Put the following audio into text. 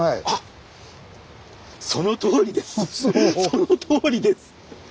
そのとおりです！